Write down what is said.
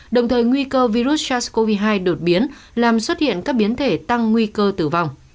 đồng thời nguy cơ virus sars cov hai đột biến làm xuất hiện các biến thể tăng nguy cơ tử vong